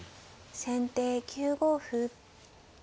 先手９五歩。